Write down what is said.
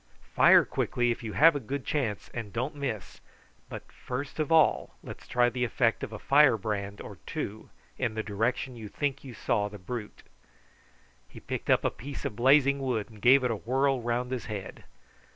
Fire quickly if you have a good chance, and don't miss. But first of all let's try the effect of a firebrand or two in the direction you think you saw the brute." He picked up a piece of blazing wood and gave it a whirl round his head.